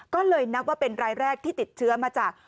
ก็เลยนับว่าเป็นรายแรกที่ติดเชื้อมาจาก